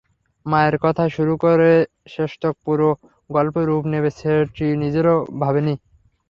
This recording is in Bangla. মায়ের কথায় শুরু করে শেষতক পুরো গল্পে রূপ নেবে সেটি নিজেও ভাবিনি।